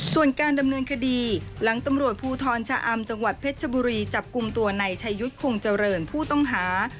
ส่วนการดำเนินคดีหลังตำรวจภูทรชะอำจังหวัดเพชรชบุรีจับกลุ่มตัวในชายุทธ์คงเจริญผู้ต้องหา